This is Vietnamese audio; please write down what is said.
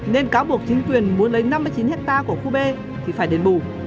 nên cáo buộc chính quyền muốn lấy năm mươi chín ha của khu b thì phải đến bù